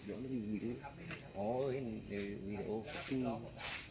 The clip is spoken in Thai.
สวัสดีครับคุณผู้ชม